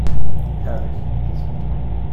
Herrlich, dieses Wetter!